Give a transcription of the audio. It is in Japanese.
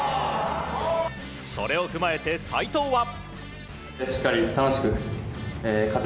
それを踏まえて、齋藤は。